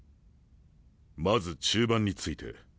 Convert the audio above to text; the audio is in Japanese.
まず中盤について。